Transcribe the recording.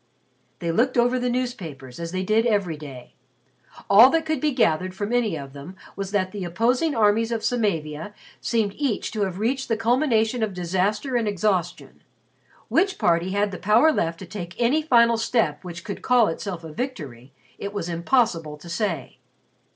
They looked over the newspapers, as they did every day. All that could be gathered from any of them was that the opposing armies of Samavia seemed each to have reached the culmination of disaster and exhaustion. Which party had the power left to take any final step which could call itself a victory, it was impossible to say.